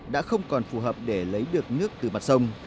đã không còn phù hợp để lấy được nước từ mặt sông